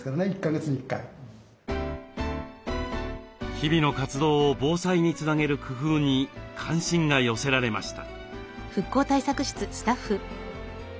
日々の活動を防災につなげる工夫に関心が寄せられました。